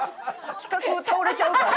企画倒れちゃうから。